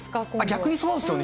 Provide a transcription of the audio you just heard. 逆にそうっすよね。